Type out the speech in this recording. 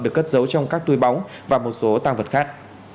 được cất giấu trong các tuổi bóng và một số tàng vật khác